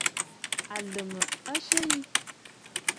Àlə̀m a syə yi.